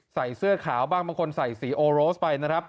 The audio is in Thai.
ใส่เสื้อขาวบ้างบางคนใส่สีโอโรสไปนะครับ